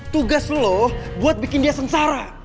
tugas lo buat bikin dia sengsara